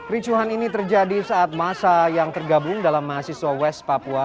ricuhan ini terjadi saat masa yang tergabung dalam mahasiswa west papua